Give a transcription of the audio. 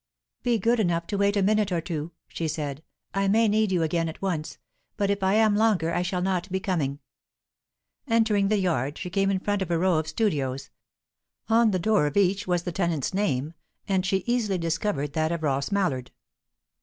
"Be good enough to wait a minute or two," she said. "I may need you again at once. But if I am longer, I shall not be coming." Entering the yard, she came in front of a row of studios; on the door of each was the tenant's name, and she easily discovered that of Ross Mallard.